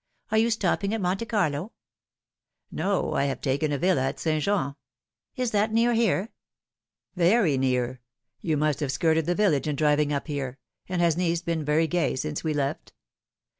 Are you stopping at Monte Carlo ?"" No, I have taken a villa at St. Jean." " Is that near here ?"" Very near. You must have skirted the village in driving np here. And has Nice been very gay since we left